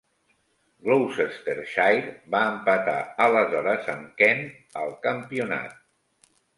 Gloucestershire va empatar aleshores amb Kent al campionat.